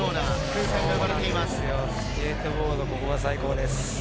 スケートボード、ここは最高です。